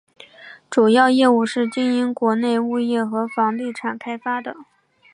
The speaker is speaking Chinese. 主要业务是经营国内物业和房地产开发的。